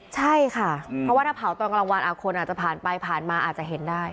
ใช่ค่ะเพราะว่าถ้าเผาตอนกลางวันคนอาจจะผ่านไปผ่านมาอาจจะเห็นได้